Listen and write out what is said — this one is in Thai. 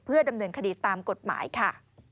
ดำเนินคดีตามกฎหมายค่ะ